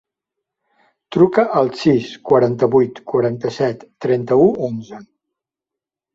Truca al sis, quaranta-vuit, quaranta-set, trenta-u, onze.